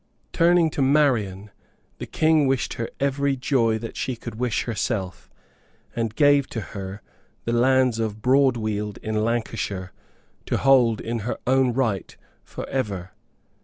Turning to Marian, the King wished her every joy that she could wish herself, and gave to her the lands of Broadweald in Lancashire to hold in her own right for ever.